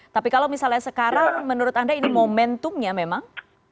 tapi kalau misalnya sekarang menurut anda ini momentumnya memang